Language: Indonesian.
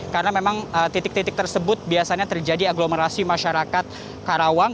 karena memang titik titik tersebut biasanya terjadi aglomerasi masyarakat karawang